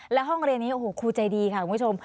และห้องเรียนนี้โอ้โหครูใจดีค่ะคุณผู้ชม